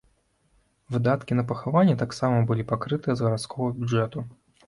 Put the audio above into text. Выдаткі на пахаванне таксама былі пакрытыя з гарадскога бюджэту.